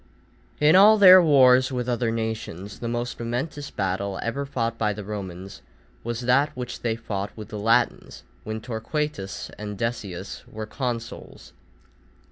_ In all their wars with other nations, the most momentous battle ever fought by the Romans, was that which they fought with the Latins when Torquatus and Decius were consuls.